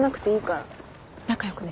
仲良くね。